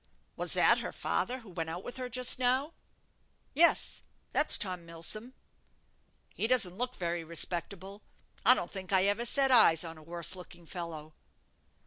"Was that her father who went out with her just now?" "Yes, that's Tom Milsom." "He doesn't look very respectable. I don't think I ever set eyes on a worse looking fellow."